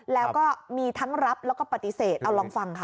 แล้วก็มีทั้งรับแล้วก็ปฏิเสธเอาลองฟังค่ะ